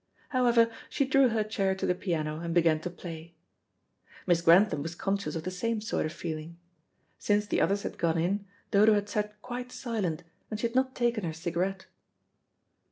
However, she drew her chair to the piano and began to play. Miss Grantham was conscious of the same sort of feeling. Since the others had gone in, Dodo had sat quite silent, and she had not taken her cigarette.